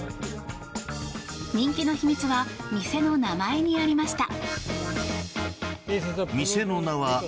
人気の秘密は店の名前にありました。